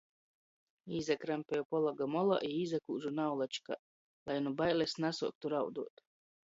Īsakrampeju pologa molā i īsakūžu naulačkā, lai nu bailis nasuoktu rauduot.